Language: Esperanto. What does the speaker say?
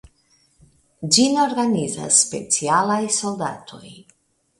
Ĝin organizas specialaj soldatoj.